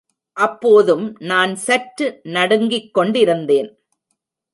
அப்போதும் நான் சற்று நடுங்கிக் கொண்டிருந்தேன்.